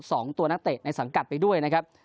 สองตัวนักเตะในสังกัดไปด้วยนะครับ